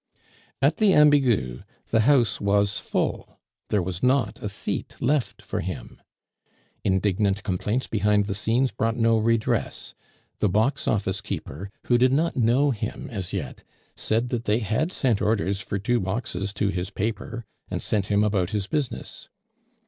At the Ambigu the house was full; there was not a seat left for him. Indignant complaints behind the scenes brought no redress; the box office keeper, who did not know him as yet, said that they had sent orders for two boxes to his paper, and sent him about his business.